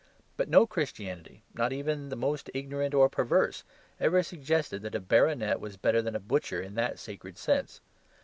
But no Christianity, not even the most ignorant or perverse, ever suggested that a baronet was better than a butcher in that sacred sense.